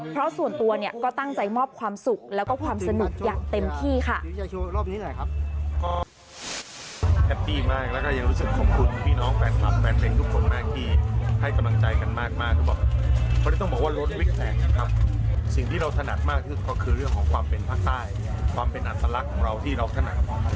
เพราะส่วนตัวเนี่ยก็ตั้งใจมอบความสุขแล้วก็ความสนุกอย่างเต็มที่ค่ะ